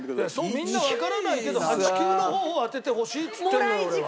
みんなわからないけど８９の方を当ててほしいっつってんのよ俺は。